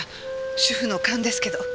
主婦の勘ですけど。